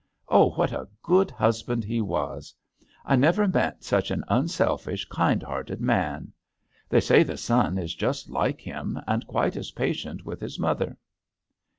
Oh I what a good hus band he was ! I never met such an unselfish, kindhearted man! They say the son is just like him, and quite as patient with his mother."